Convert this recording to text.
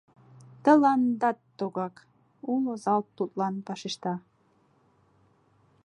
— Тыландат тугак! — уло зал тудлан вашешта.